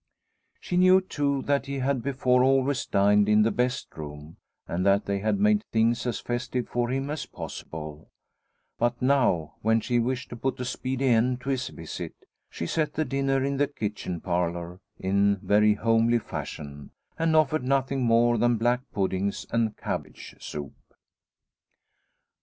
She knew, too, that he had before always dined in the best room, and that they had made things as festive for him as possible; but now, when she wished to put a speedy end to his visit, she set the dinner in the kitchen parlour in very homely fashion, and offered nothing more than black puddings and cabbage soup.